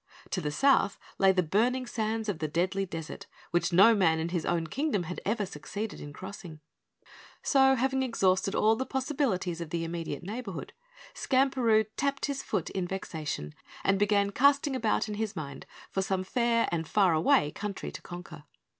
To the south lay the burning sands of the Deadly Desert, which no man in his own Kingdom had ever succeeded in crossing. So, having exhausted all the possibilities in the immediate neighborhood, Skamperoo tapped his foot in vexation and began casting about in his mind for some fair and faraway country to conquer.